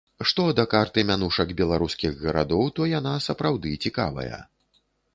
Што да карты мянушак беларускіх гарадоў, то яна сапраўды цікавая.